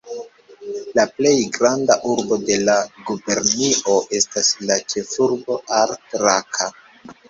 La plej granda urbo de la gubernio estas la ĉefurbo Ar-Raka.